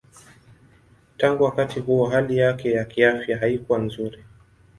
Tangu wakati huo hali yake ya kiafya haikuwa nzuri.